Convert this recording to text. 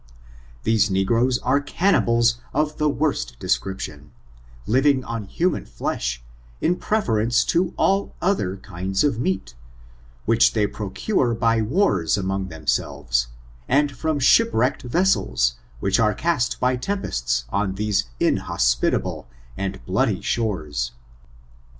These negroes are cannibals of the worst description, living on human flesh, in preference to all other kinds of meat, which they procure by wars among themselves, and firom shipwrecked vessels, which are cast by tempests on these inhospitable and bloody shores.